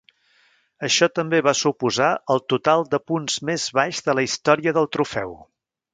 Això també va suposar el total de punts més baix de la història del trofeu.